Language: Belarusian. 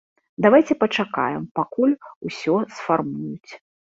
Давайце пачакаем, пакуль усё сфармуюць.